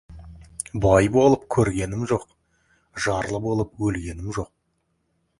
Бай болып көргенім жоқ, жарлы болып өлгенім жоқ.